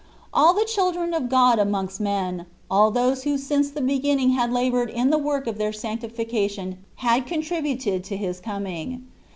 All the children of God amongst men, all those who since the beginning had laboured in the work of their sanctification had contributed to His coming.